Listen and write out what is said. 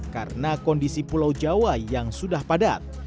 karena kondisi pulau jawa yang sudah padat